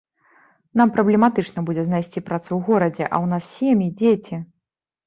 Нам праблематычна будзе знайсці працу ў горадзе, а ў нас сем'і, дзеці.